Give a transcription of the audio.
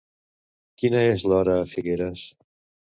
Quina és l'hora a Figueres?